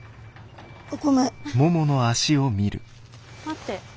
待って。